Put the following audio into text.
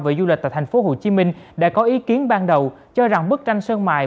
và du lịch tại tp hcm đã có ý kiến ban đầu cho rằng bức tranh sơn mài